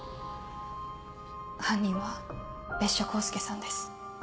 犯人は別所幸介さんです